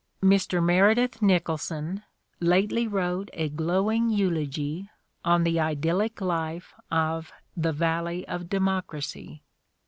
Mr. Meredith Nicholson lately wrote a glowing eulogy on the idyllic life of the Valley of Democracy.